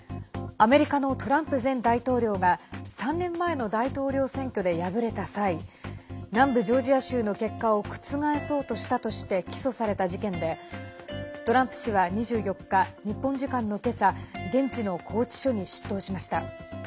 アメリカのトランプ前大統領が３年前の大統領選挙で敗れた際南部ジョージア州の結果を覆そうとしたとして起訴された事件でトランプ氏は２４日日本時間の今朝現地の拘置所に出頭しました。